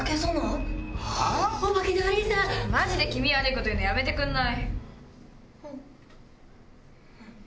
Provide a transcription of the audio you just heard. マジで気味悪いこと言うのやめてくんない？